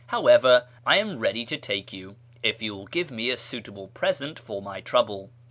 However, I am ready to take you, if you will give me a suitable present for my trouble.